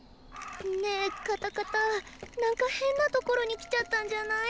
ねえカタカタ何か変なところに来ちゃったんじゃない？